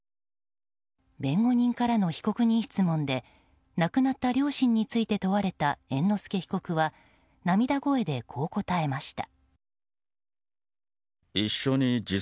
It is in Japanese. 弁護人からの被告人質問で亡くなった両親について問われた猿之助被告は涙声でこう答えました。